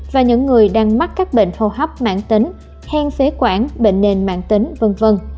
và những người đang mắc các bệnh hô hấp mãn tính hen phế quản bệnh nền mạng tính v v